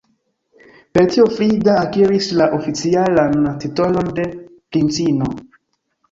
Per tio Frida akiris la oficialan titolon de princino.